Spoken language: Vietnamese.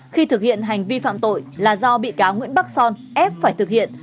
khi thực hiện hành vi phạm tội là do bị cáo nguyễn bắc son ép phải thực hiện